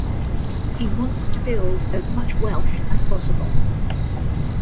He wants to build as much wealth as possible.